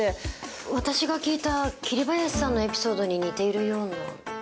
私が聞いた桐林さんのエピソードに似ているような。